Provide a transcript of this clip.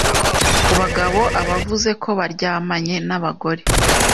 Ku bagabo, abavuze ko baryamanye n’abagore